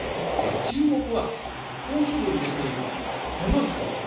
注目は、コーヒーをいれている、この人。